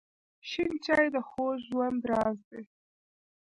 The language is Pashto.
شین چای د خوږ ژوند راز دی.